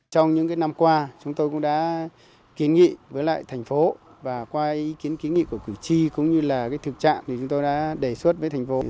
trong những năm qua chúng tôi cũng đã kiến nghị với lại thành phố và qua ý kiến kiến nghị của cử tri cũng như là thực trạng thì chúng tôi đã đề xuất với thành phố